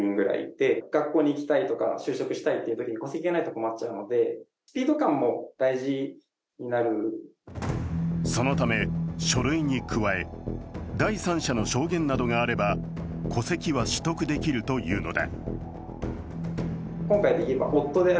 行政手続きに詳しい弁護士によるとそのため書類に加え第三者の証言などがあれば戸籍は取得できるというのだ。